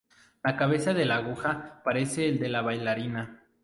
La cabeza de la aguja parece el de la bailarina.